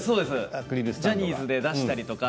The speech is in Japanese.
ジャニーズ出したりとか。